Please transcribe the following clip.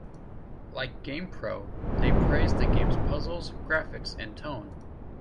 Like "GamePro", they praised the game's puzzles, graphics, and tone.